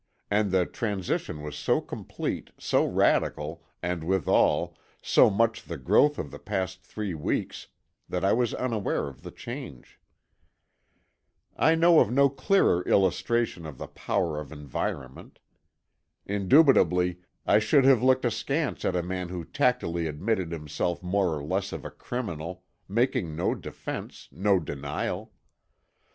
And the transition was so complete, so radical, and withal, so much the growth of the past three weeks, that I was unaware of the change. I know of no clearer illustration of the power of environment. Indubitably I should have looked askance at a man who tacitly admitted himself more or less of a criminal, making no defense, no denial.